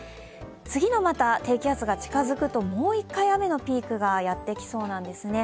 次の低気圧が近づくともう１回、雨のピークがやってきそうなんですね。